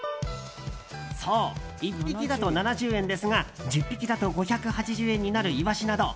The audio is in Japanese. そう、１匹だと７０円ですが１０匹だと５８０円になるイワシなど